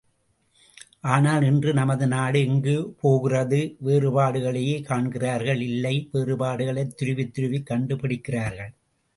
ஆனால் இன்று நமது நாடு எங்கே போகிறது மக்கள் வேறுபாடுகளையே காண்கிறார்கள் இல்லை, வேறுபாடுகளைத் துருவித்துருவிக் கண்டு பிடிக்கிறார்கள்.